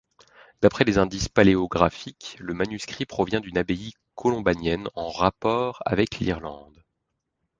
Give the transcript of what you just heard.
D'après les indices paléographiques, le manuscrit provient d'une abbaye colombanienne en rapport avec l'Irlande.